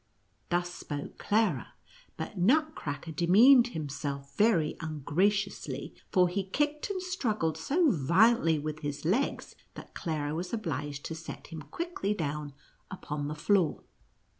" Thus spoke Clara, but Nutcracker demeaned himself very ungra ciously, for he kicked and struggled so violently with his legs, that Clara was obliged to set him quickly down upon the floor.